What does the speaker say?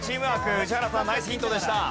宇治原さんナイスヒントでした。